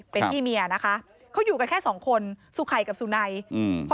เป็นพี่เมียนะคะเขาอยู่กันแค่สองคนสุไข่กับสุนัยอืม